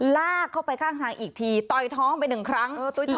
ลากเข้าไปข้างทางอีกทีต่อยท้องไปหนึ่งครั้ง